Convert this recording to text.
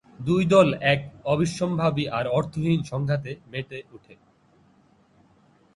দুই দল এক অবশ্যম্ভাবী আর অর্থহীন সংঘাতে মেতে ওঠে।